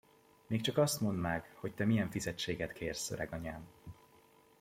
Még csak azt mondd meg, hogy te milyen fizetséget kérsz, öreganyám.